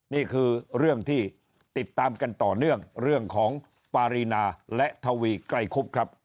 นี่คือเรื่องที่ติดตามกันต่อเนื่องเรื่องของปารีนาและทวีไกรคุบครับ